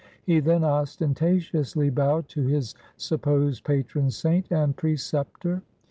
He then ostentatiously bowed to his supposed patron saint and preceptor.